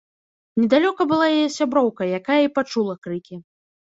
Недалёка была яе сяброўка, якая і пачула крыкі.